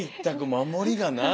守りがない！